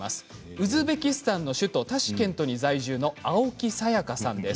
ウズベキスタンの首都タシケントに在中の青木さやかさんです。